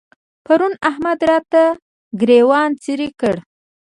پرون احمد راته ګرېوان څيرې کړ.